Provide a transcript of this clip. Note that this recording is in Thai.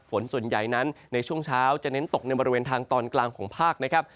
ฝนส่วนใหญ่นั้นในช่วงเช้าจะเน้นตกในบริเวณทางตอนกลางของภาคนะครับ